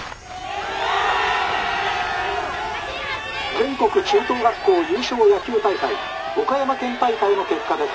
「全国中等学校優勝野球大会岡山県大会の結果です。